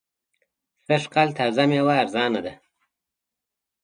سږ کال تازه مېوه ارزانه ده.